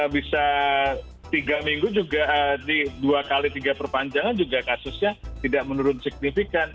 bisa tiga minggu juga di dua x tiga perpanjangan juga kasusnya tidak menurun signifikan